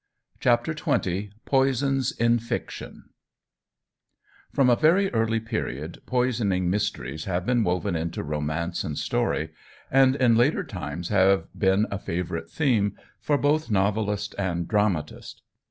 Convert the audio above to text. CHAPTER XX POISONS IN FICTION FROM a very early period poisoning mysteries have been woven into romance and story, and in later times have been a favourite theme for both novelist and dramatist.